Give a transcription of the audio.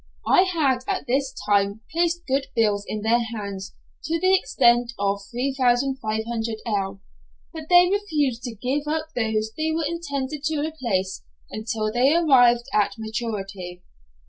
I had at this time placed good bills in their hands to the extent of 3500_l._, but they refused to give up those they were intended to replace until they arrived at maturity.